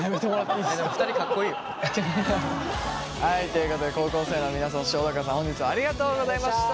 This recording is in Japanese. ということで高校生の皆さんそして小高さん本日はありがとうございました！